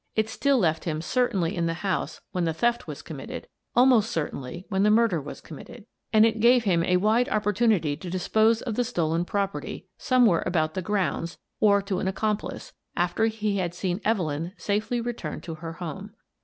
It still left him certainly in the house when the theft was committed — almost certainly when the murder was committed — and it gave him a wide opportunity to dispose of the stolen property — somewhere about the grounds, or to an accomplice — after he had seen Evelyn safely returned to her home.